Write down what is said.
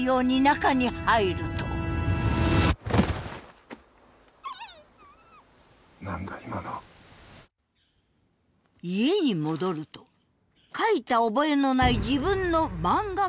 家に戻ると描いた覚えのない自分の漫画原稿が。